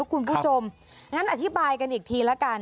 คุณผู้ชมงั้นอธิบายกันอีกทีละกัน